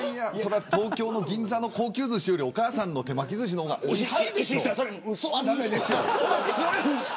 東京の銀座の高級ずしよりお母さんの手巻きずしの方がおいしいでしょう。